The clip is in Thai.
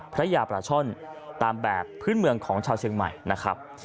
พระยาปลาช่อนตามแบบพื้นเมืองของชาวเชียงใหม่นะครับ